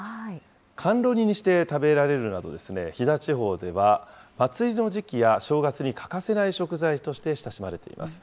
甘露煮にして食べられるなど、飛騨地方では祭りの時期や正月に欠かせない食材として親しまれています。